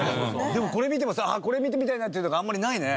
でもこれ見てもさこれ見てみたいなっていうのがあんまりないね。